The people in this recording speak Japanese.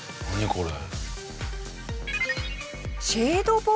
これ。